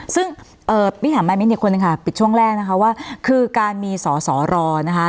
ซึ่งพี่ถามมามิ้นอีกคนนึงค่ะปิดช่วงแรกนะคะว่าคือการมีสอสอรอนะคะ